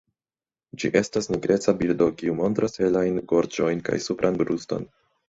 Ĝi estas nigreca birdo, kiu montras helajn gorĝon kaj supran bruston.